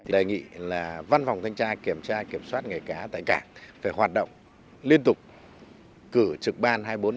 đề nghị là văn phòng thanh tra kiểm tra kiểm soát nghề cá tại cảng phải hoạt động liên tục cử trực ban hai mươi bốn hai mươi bốn